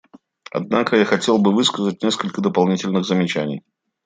Однако я хотел бы высказать несколько дополнительных замечаний.